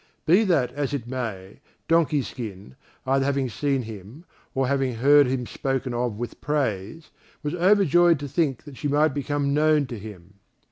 Be that as it may, Donkey skin, either having seen him, or having heard him spoken of with praise, was overjoyed to think that she might become known to him.